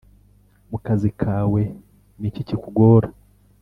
mu kazi kawe niki kikugora,